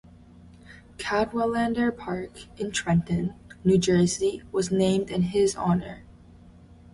Cadwalader Park, in Trenton, New Jersey, was named in his honor.